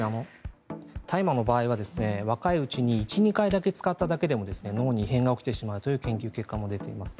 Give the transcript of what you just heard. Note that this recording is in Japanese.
大麻の場合は若いうちに１２回だけ使っただけでも脳に異変が起きてしまうという研究結果も出ています。